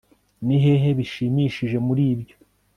ni hehe bishimishije muri ibyo